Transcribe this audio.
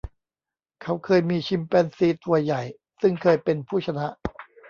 เขาเคยมีชิมแปนซีตัวใหญ่ซึ่งเคยเป็นผู้ชนะ